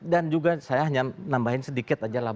dan juga saya hanya nambahin sedikit aja lah